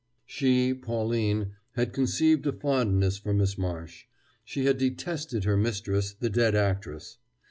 She, Pauline, had conceived a fondness for Miss Marsh; she had detested her mistress, the dead actress.